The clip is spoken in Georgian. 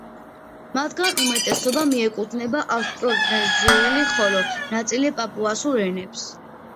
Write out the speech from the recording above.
მათგან უმეტესობა მიეკუთვნება ავსტრონეზიული, ხოლო ნაწილი პაპუასურ ენებს.